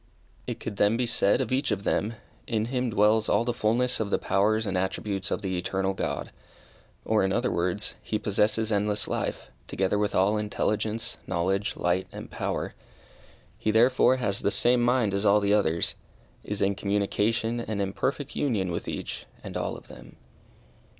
It could then be said of each of them, in him dwells all the fulness of the powers and attributes of the Eternal God, or, in other words, he possesses endless life, together with all intelligence, knowledge, light, and power. He therefore has the same mind as all the others is in communication and in perfect union with each and all of them.